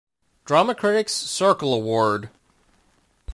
Drama Critics' Circle award.